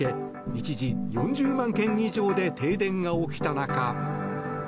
一時４０万軒以上で停電が起きた中。